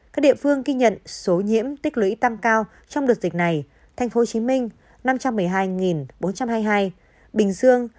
các địa phương ghi nhận số nhiễm tích lưỡi tăng cao nhất so với ngày trước đó